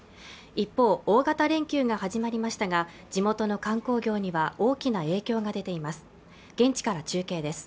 一方大型連休が始まりましたが地元の観光業には大きな影響が出ています